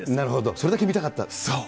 それだけ見たかっそう。